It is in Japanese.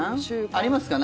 ありますか？